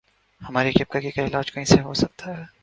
ہماری کپکپی کا علاج کہیں سے ہو سکتا ہے؟